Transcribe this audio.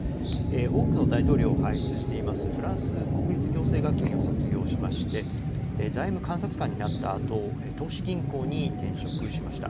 多くの大統領を輩出しています、フランス国立行政学院を卒業しまして、財務監察官になったあと、投資銀行に転職しました。